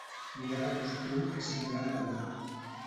Mudar de costum és semblant a la mort.